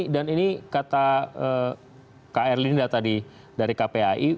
dan ini kata kak erlinda tadi dari kpai